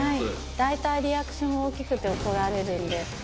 大体リアクションが大きくて、怒られるんで。